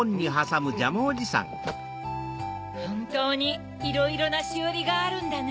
ほんとうにいろいろなしおりがあるんだね。